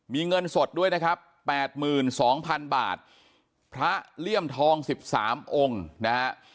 มีเงินสดด้วยนะครับ๘๒๐๐๐บาทพระเลี่ยมทอง๑๓องค์นะฮะ